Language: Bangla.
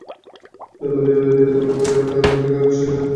জল্লাদের দায়িত্ব পালনকারীকে কারাগার থেকে বিশেষ বন্দী হিসেবে সুবিধা দেওয়া হয়।